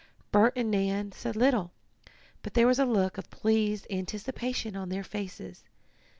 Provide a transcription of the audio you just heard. Bert and Nan said little, but there was a look of pleased anticipation on their faces.